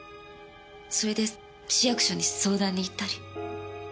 それで市役所に相談に行ったり。